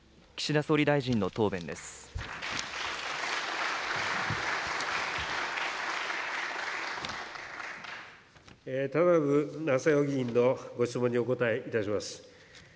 田名部匡代議員のご質問にお答えいたします。